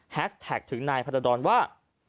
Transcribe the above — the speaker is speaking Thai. แฮสแท็กถึงนายพัฒนาดอนว่า